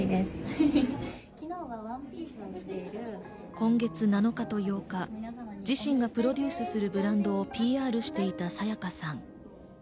今月７日と８日、自身がプロデュースするブランドをＰＲしていた沙也加さん。